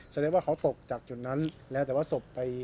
สำเร็จว่าเขาปกจากจุดนั้นแล้วแต่ว่าศพไป